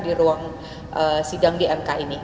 di ruang sidang di mk ini